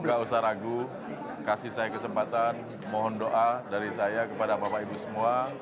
gak usah ragu kasih saya kesempatan mohon doa dari saya kepada bapak ibu semua